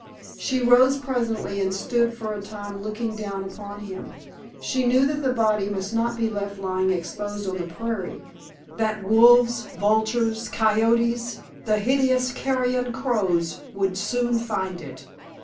She rose presently, and stood for a time looking down upon him. She knew that the body must not be left lying exposed on the prairie; that wolves, vultures, coyotes, the hideous carrion crows would soon find it.